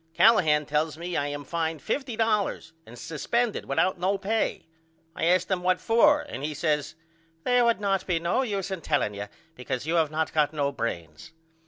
Callahan tells me I am fined $50.00 and suspended without no pay. I asked him What for and he says They would not be no use in telling you because you have not got no brains.